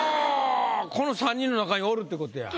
この三人の中におるってことや。